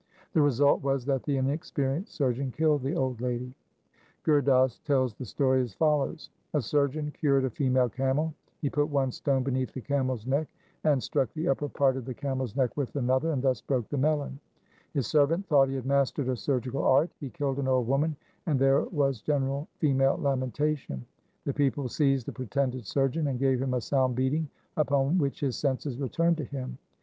The result was that the inexperienced surgeon killed the old lady. Gur Das tells the story as follows :— A surgeon cured a female camel. He put one stone beneath the camel's neck and struck the upper part of the 1 XXXV. 2 XXXII. 3 The musk rat scratches out its eyes. BHAI GUR DAS'S ANALYSIS 267 camel's neck with another, and thus broke the melon. His servant thought he had mastered the surgical art. He killed an old woman and there was general female lamenta tion. The people seized the pretended surgeon, and gave him a sound beating, upon which his senses returned to him.